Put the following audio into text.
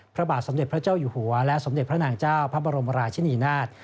พระบาทสมเด็จพระเจ้าอยู่หัวและสมเด็จพระนางเจ้าพระบรมราชินีนาฏ